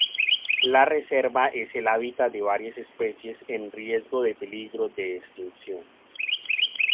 La reserva es el hábitat de varias especies en riesgo de peligro de extinción.